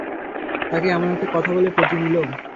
তাকে এমন একটা কথা বলে পটিয়ে নিলো?